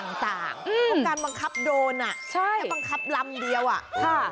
อย่างนี้นี่คือโดรนทั้งหมดเลยใช่ไหม